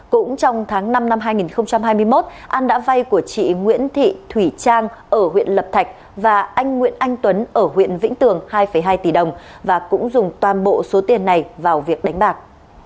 cũng trong tháng năm năm hai nghìn hai mươi một an đã vay của chị nguyễn thị thủy trang ở huyện lập thạch và anh nguyễn anh tuấn ở huyện vĩnh tường hai hai tỷ đồng và cũng dùng toàn bộ số tiền này vào việc đánh bạc